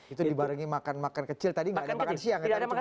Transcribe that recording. itu dibarengi makan makan kecil tadi enggak ada makan siang kan